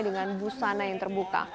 dengan busana yang terbuka